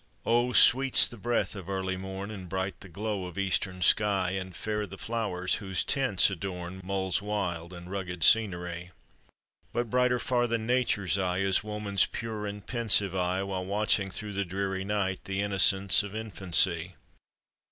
Oh ! sweet's the breath of early morn, And bright the glow of eastern sky, And fair the flowers whose tints adorn Mull's wild and rugged scenery. But brighter far than nature's light Is woman's pure and pensive eye, While watching through the dreary night The innocence of infancy.